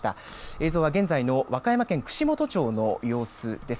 映像は現在の和歌山県串本町の様子です。